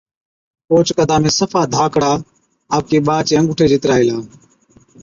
اوهچ قدا ۾ صفا ڌاڪڙا، آپڪي ٻا چي انگُوٽي جِترا هِلا۔